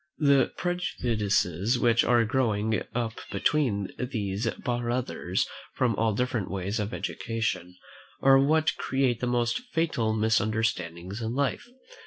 The prejudices which are growing up between these brothers from the different ways of education are what create the most fatal misunderstandings in life.